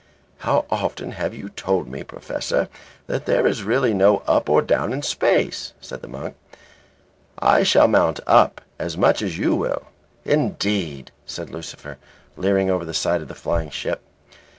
"How often have you told me, Professor, that there is really no up or down in space?" said the monk. "I shall mount up as much as you will." "Indeed," said Lucifer, leering over the side of the flying ship.